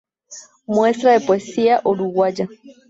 Muestra de poesía uruguaya".